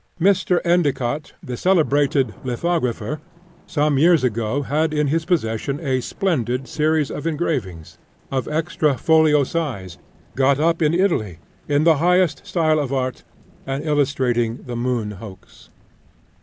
Mr. Endicott, the celebrated lithographer, some years ago had in his possession a splendid series of engravings, of extra folio size, got up in Italy, in the highest style of art, and illustrating the "Moon Hoax."